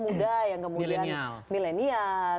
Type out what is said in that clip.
muda yang kemudian milenial